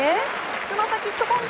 つま先ちょこん！